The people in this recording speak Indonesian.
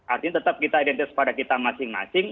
artinya tetap kita identitas pada kita masing masing